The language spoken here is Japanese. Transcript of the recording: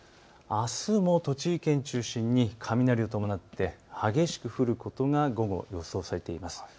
あすも栃木県を中心に雷を伴って激しく降ることが午後、予想されています。